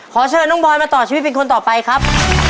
ขอเชิญน้องบอยมาต่อชีวิตเป็นคนต่อไปครับ